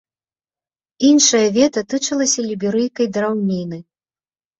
Іншае вета тычылася ліберыйкай драўніны.